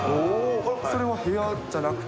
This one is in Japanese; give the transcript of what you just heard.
それは部屋じゃなくて？